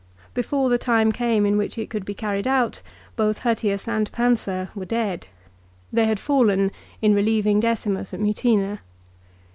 Before the time came in which it could be carried out both Hirtius and Pansa were dead. They had fallen in relieving Decimus at Mutina.